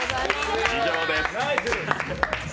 以上です。